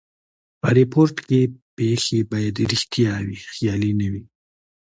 په ریپورټ کښي پېښي باید ریښتیا وي؛ خیالي نه وي.